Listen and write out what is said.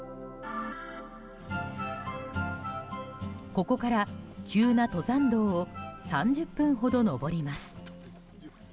ここから急な登山道を３０分ほど登ります。